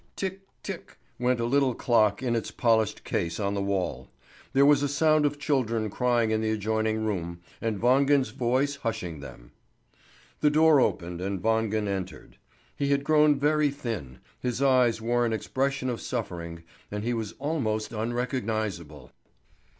Tick! tick! went a little clock in its polished case on the wall. There was a sound of children crying in the adjoining room, and Wangen's voice hushing them. The door opened and Wangen entered. He had grown very thin, his eyes wore an expression of suffering, and he was almost unrecognisable.